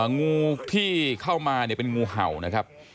งูที่เข้ามาเนี่ยเป็นงูเห่านะครับ